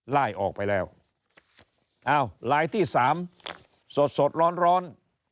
ไล่ออกไปแล้วอ้าวลายที่สามสดสดร้อนร้อน